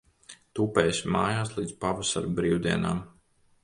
Tupēsi mājās līdz pavasara brīvdienām.